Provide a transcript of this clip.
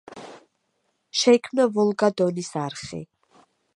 შეიქმნა ვოლგა-დონის არხი.